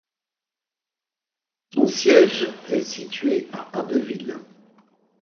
Son siège est situé à Abbeville.